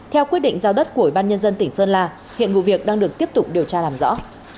theo quyết định giao đất của ủy ban nhân dân tỉnh sơn la hiện vụ việc đang được tiếp tục điều tra làm rõ